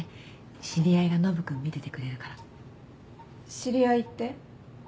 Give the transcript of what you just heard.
知り合いって？